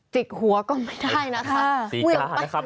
จิกหวก็ไม่ได้นะครับ